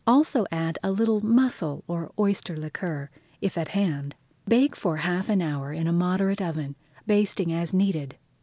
Add also a little mussel or oyster liquor if at hand. Bake for half an hour in a moderate oven, basting as needed.